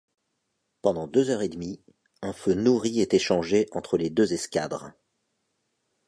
Pendant deux heures et demie, un feu nourri est échangé entre les deux escadres.